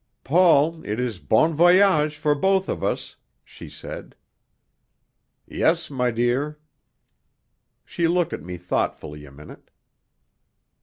"Paul, it is bon voyage for both of us," she said. "Yes, my dear." She looked at me thoughtfully a minute.